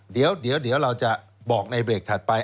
เดี๋ยวเราจะบอกในเบรกถัดไป